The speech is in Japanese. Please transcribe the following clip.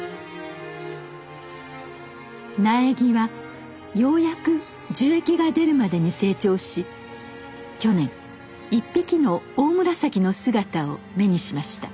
苗木はようやく樹液が出るまでに成長し去年１匹のオオムラサキの姿を目にしました。